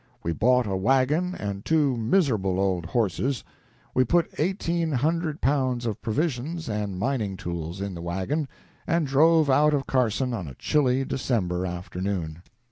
We bought a wagon and two miserable old horses. We put eighteen hundred pounds of provisions and mining tools in the wagon and drove out of Carson on a chilly December afternoon.."